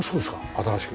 新しく。